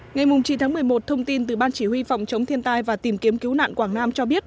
ngày chín tháng một mươi một thông tin từ ban chỉ huy phòng chống thiên tai và tìm kiếm cứu nạn quảng nam cho biết